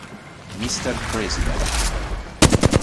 Mr. President